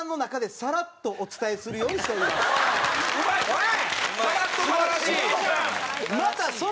おい！